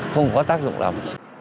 không có tác dụng lắm